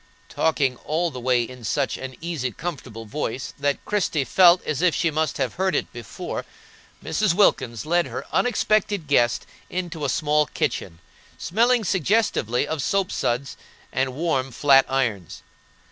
Talking all the way in such an easy, comfortable voice that Christie felt as if she must have heard it before, Mrs. Wilkins led her unexpected guest into a small kitchen, smelling suggestively of soap suds and warm flat irons.